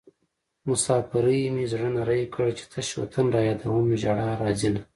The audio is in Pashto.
مسافرۍ مې زړه نری کړ چې تش وطن رايادوم ژړا راځينه